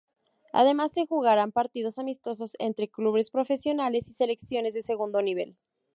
Además se jugarán partidos amistosos entre clubes profesionales y selecciones de segundo nivel.